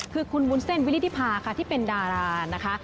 คือคุณวุ้นเส้นวิริธิภาค่ะที่เป็นดารานะคะ